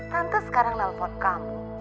tante sekarang nelpon kamu